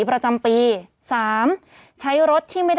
ผู้ต้องหาที่ขับขี่รถจากอายานยนต์บิ๊กไบท์